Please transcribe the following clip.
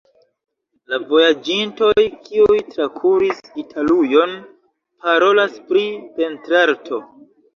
La vojaĝintoj, kiuj trakuris Italujon, parolas pri pentrarto.